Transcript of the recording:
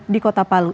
di kota palu